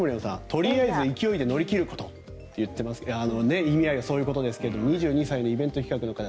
とりあえず勢いで乗り切ることと意味合いはそういうことですが２２歳のイベント企画の方。